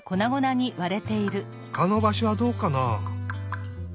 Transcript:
ほかのばしょはどうかな？